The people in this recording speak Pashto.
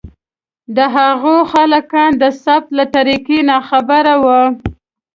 د هغو خالقان د ثبت له طریقو ناخبره وو.